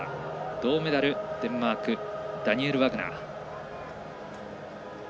銅メダル、デンマークダニエル・ワグナー。